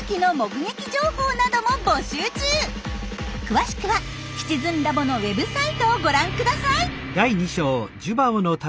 詳しくはシチズンラボのウェブサイトをご覧ください！